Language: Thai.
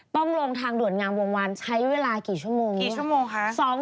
ต้องลงทางด่วนงามวงวันใช้เวลากี่ชั่วโมง